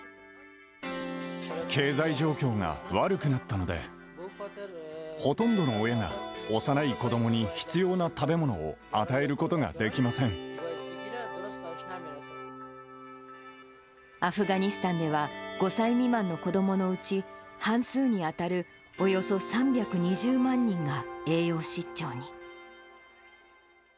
経済状況が悪くなったので、ほとんどの親が幼い子どもに必要な食べ物を与えることができませアフガニスタンでは、５歳未満の子どものうち半数に当たるおよそ３２０万人が栄養失調に。